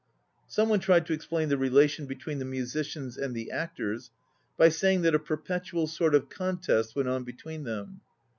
Some one tried to explain the relation between the musicians and the actors by saying that a perpetual sort of contest went on between them.